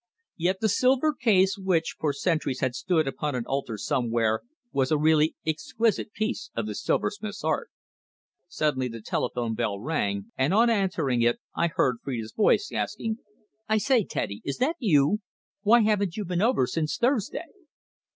Yet the silver case which, for centuries, had stood upon an altar somewhere, was a really exquisite piece of the silversmith's art. Suddenly the telephone bell rang, and on answering it I heard Phrida's voice asking "I say, Teddy, is that you? Why haven't you been over since Thursday?"